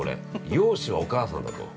容姿はお母さんだと。